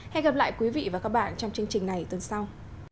hẹn gặp lại quý vị và các bạn trong chương trình này tuần sau